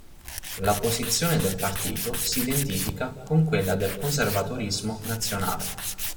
La posizione del partito si identifica con quella del conservatorismo nazionale.